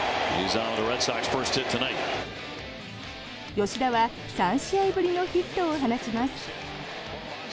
吉田は３試合ぶりのヒットを放ちます。